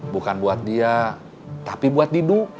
bukan buat dia tapi buat tidur